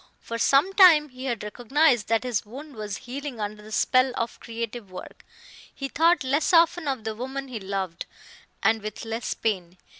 For some time he had recognized that his wound was healing under the spell of creative work; he thought less often of the woman he loved, and with less pain.